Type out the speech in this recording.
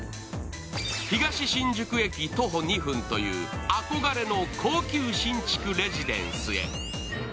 東新宿駅徒歩２分という憧れの高級新築レジデンスへ。